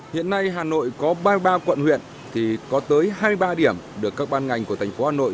hiện nay hà nội có ba mươi ba quận huyện thì có tới hai mươi ba điểm được các ban ngành của thành phố hà nội